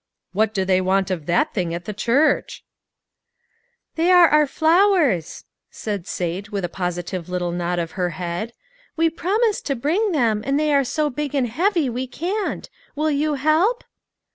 " What do they want of that thing at the church ?" AN UNEXPECTED HELPER. 229 " They are our flowers," said Sate with a posi tive little nod of her head. " We promised to bring them, and they are so big and heavy we can't. Will you help